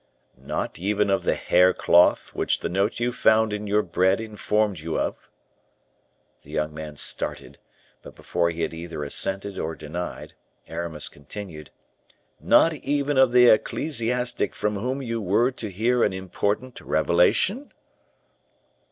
"Not even of the hair cloth, which the note you found in your bread informed you of?" The young man started; but before he had either assented or denied, Aramis continued, "Not even of the ecclesiastic from whom you were to hear an important revelation?"